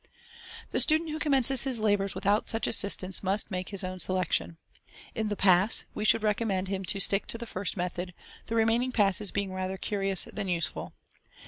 The student who commences his labours without such assistance must make his own selection. In the " pass " we should recommend him to stick to the first method, the remaining passes being rather curious than useful.